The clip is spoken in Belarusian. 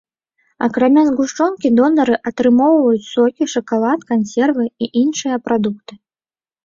Акрамя згушчонкі донары атрымоўваюць сокі, шакалад, кансервы і іншыя прадукты.